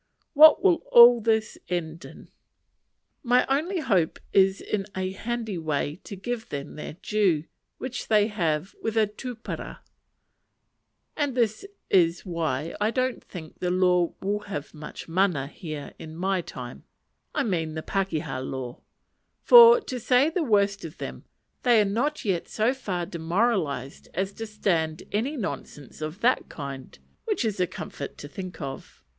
What will all this end in? My only hope is in a handy way (to give them their due) which they have with a tupara; and this is why I don't think the law will have much mana here in my time: I mean the pakeha law; for, to say the worst of them, they are not yet so far demoralized as to stand any nonsense of that kind; which is a comfort to think of.